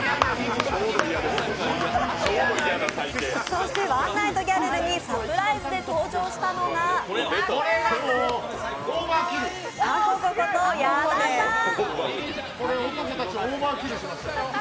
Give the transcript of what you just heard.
そして、ワンナイトギャルルにサプライズで登場したのがあこここと矢田さん。